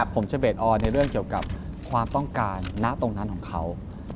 ผมจะเบสออนในเรื่องเกี่ยวกับความต้องการณตรงนั้นของเขา